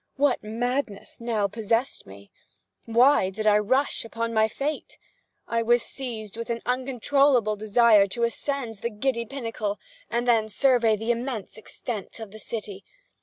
What madness now possessed me? Why did I rush upon my fate? I was seized with an uncontrollable desire to ascend the giddy pinnacle, and then survey the immense extent of the city.